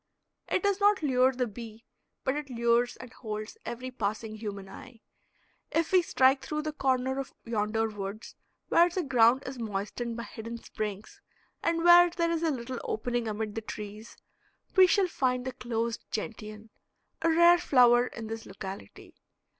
It does not lure the bee, but it lures and holds every passing human eye. If we strike through the corner of yonder woods, where the ground is moistened by hidden springs and where there is a little opening amid the trees, we shall find the closed gentian, a rare flower in this locality.